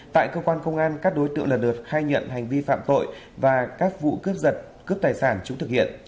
tại cơ quan công an các đối tượng lần lượt khai nhận hành vi phạm tội và các vụ cướp giật cướp tài sản chúng thực hiện